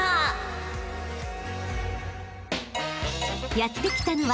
［やって来たのは］